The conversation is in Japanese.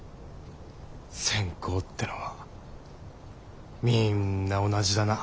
センコーってのはみんな同じだな。